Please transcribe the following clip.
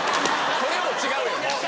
それも違うよ。